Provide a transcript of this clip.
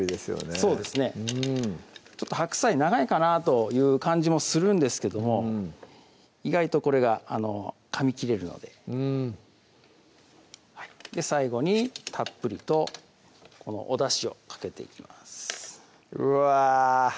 そうですねちょっと白菜長いかなという感じもするんですけども意外とこれがかみ切れるのでうん最後にたっぷりとこのおだしをかけていきますうわ